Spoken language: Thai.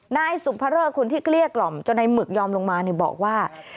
นายสุภเริกคนที่เกลี้ยกล่อมจนในหมึกยอมลงมาบอกว่า